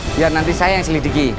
biar nanti saya yang selidiki